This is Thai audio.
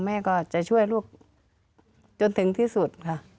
แม่ก็จะช่วยลูกจนถึงที่สุดค่ะ